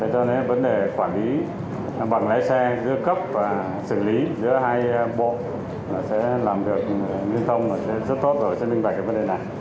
cho nên vấn đề quản lý bằng lái xe giữa cấp và xử lý giữa hai bộ sẽ làm được liên thông rất tốt rồi rất minh bạch cái vấn đề này